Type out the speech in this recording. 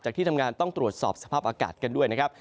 ที่ทำงานต้องตรวจสอบสภาพอากาศกันด้วยนะครับ